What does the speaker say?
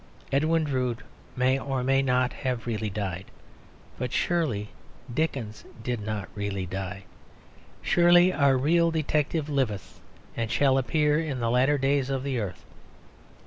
Edwin Drood may or may not have really died; but surely Dickens did not really die. Surely our real detective liveth and shall appear in the latter days of the earth.